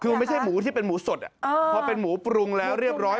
คือไม่ใช่หมูที่เป็นหมูสดพอเป็นหมูปรุงแล้วเรียบร้อย